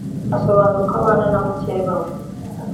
Asobanura uko abana na mukeba we